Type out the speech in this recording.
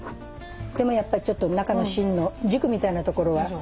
でもやっぱりちょっと中の芯の軸みたいなところが。